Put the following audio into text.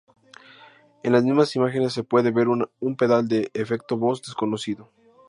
En las mismas imágenes se puede ver un pedal de efectos Boss desconocido.